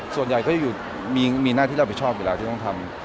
ส่วนใหญ่ก็จะอยู่มีหน้าที่รับประชาสบายอยู่แล้ว